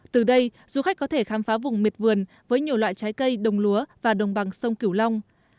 từ đây du khách có thể khám phá vùng miệt vườn với nhiều loại trái cây đồng lúa và đồng bằng sông cửu long